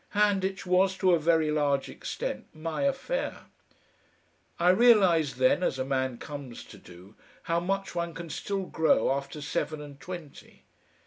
Handitch was, to a very large extent, my affair. I realised then, as a man comes to do, how much one can still grow after seven and twenty.